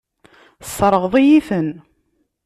Tesseṛɣeḍ-iyi-ten.